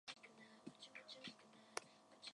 There is no much information about his childhood.